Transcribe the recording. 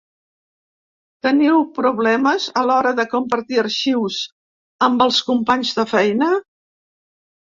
Teniu problemes a l’hora de compartir arxius amb els companys de feina?